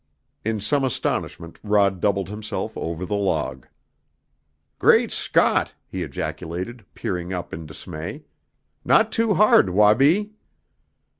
In some astonishment Rod doubled himself over the log. "Great Scott!" he ejaculated, peering up in dismay. "Not too hard, Wabi!"